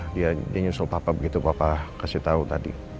dia nyusul papa begitu papa kasih tahu tadi